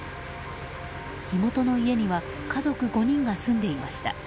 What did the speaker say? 火元の家には家族５人が住んでいました。